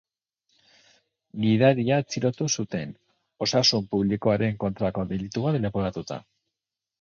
Gidaria atxilotu zuten, osasun publikoaren kontrako delitua leporatuta.